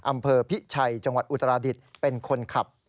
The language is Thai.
อำเภอพิชัยจังหวัดอุตราดิษฐ์เป็นคนขับ